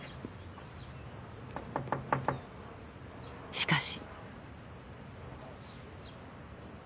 しかし。